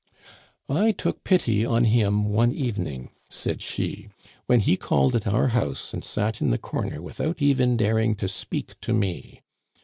"* I took pity on him one evening,' said she, * when he called at our house and sat in the corner without even daring to speak to me.